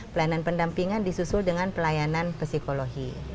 pelayanan pendampingan disusul dengan pelayanan psikologi